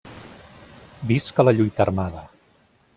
Visca la lluita armada!